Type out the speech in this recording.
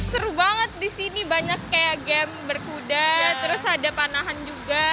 seru banget di sini banyak kayak game berkuda terus ada panahan juga